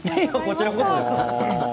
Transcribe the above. こちらこそです。